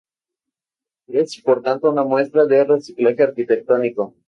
Es, por tanto, una muestra de reciclaje arquitectónico.